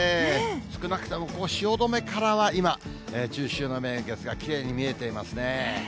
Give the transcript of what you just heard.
少なくとも、ここ、汐留からは今、中秋の名月がきれいに見えていますね。